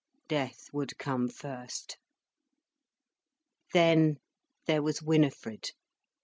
Death would come first. Then there was Winifred!